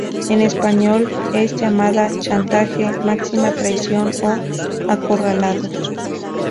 En español es llamada Chantaje, Máxima traición o Acorralados.